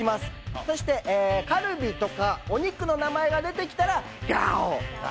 そしてカルビとかお肉の名前が出てきたら、ガオ。